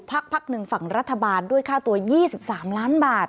พักหนึ่งฝั่งรัฐบาลด้วยค่าตัว๒๓ล้านบาท